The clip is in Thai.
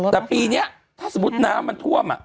แต่ปีนี้ถ้าสมมุติน้ำมันท่วม